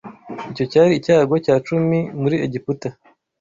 Icyo cyari icyago cya cumi muri egiputa